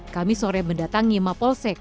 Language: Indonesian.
kami sore mendatangi mapolsek